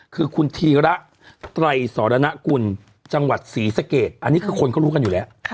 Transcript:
คือคุณธีระไตรสรณกุลจังหวัดศรีสะเกดอันนี้คือคนเขารู้กันอยู่แล้ว